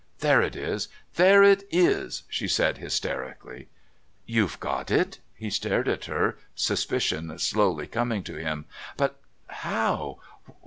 "There it is! There it is!" she said hysterically. "You've got it?" He stared at her, suspicion slowly coming to him. "But how